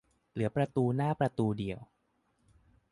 เหลือประตูหน้าประตูเดียว